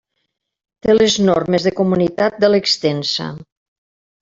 Té les normes de comunitat de l'extensa.